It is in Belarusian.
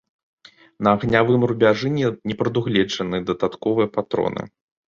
На агнявым рубяжы не прадугледжаны дадатковыя патроны.